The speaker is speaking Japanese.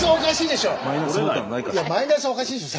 いやマイナスおかしいでしょ